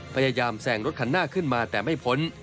พยายามแสงรถคันหน้าขึ้นมาแต่ไม่พ้น